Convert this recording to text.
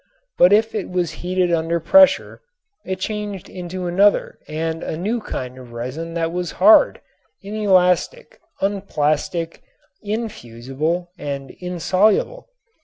But if it was heated under pressure it changed into another and a new kind of resin that was hard, inelastic, unplastic, infusible and insoluble.